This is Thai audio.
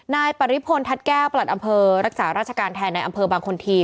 นายปริพลทัศน์แก้วประหลัดอำเภอรักษาราชการแทนในอำเภอบางคนที